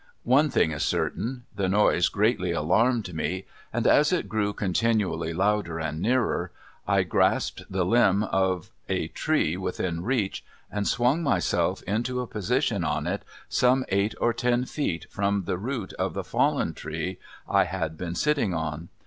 One thing is certain, the noise greatly alarmed me, and as it grew continually louder and nearer I grasped the limb of a tree within reach and swung myself into a position on it some eight or ten feet from the root of the fallen tree I had been sitting on.